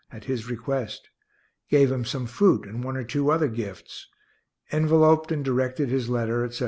at his request; gave him some fruit and one or two other gifts; enveloped and directed his letter, etc.